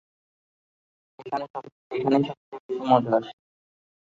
এখানেই সবচেয়ে বেশি মজা আসে।